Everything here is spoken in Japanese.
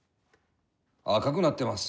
赤くなってます。